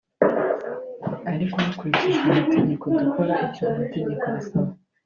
ariko hakurikijwe amategeko dukora icyo amategeko asaba